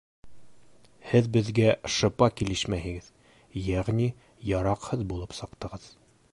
Һеҙ беҙгә шыпа килешмәйһегеҙ, йәғни яраҡһыҙ булып сыҡтығыҙ.